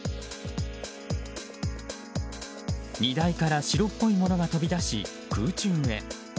荷台から白っぽいものが飛び出し空中へ。